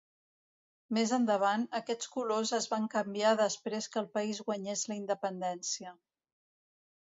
Més endavant, aquests colors es van canviar després que el país guanyés la Independència.